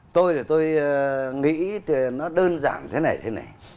tôi nghĩ nó đơn giản thế này thế này